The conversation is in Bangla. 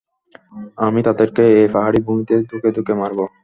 আমি তাদেরকে এই পাহাড়ি ভূমিতে ধুঁকে ধুঁকে মারব।